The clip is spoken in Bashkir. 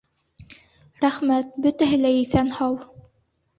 Рәхмәт, бөтәһе лә иҫән-һау.